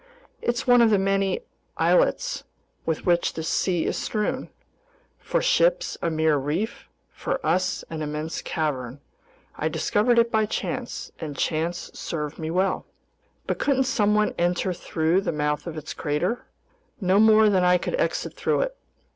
"It's one of the many islets with which this sea is strewn. For ships a mere reef, for us an immense cavern. I discovered it by chance, and chance served me well." "But couldn't someone enter through the mouth of its crater?" "No more than I could exit through it.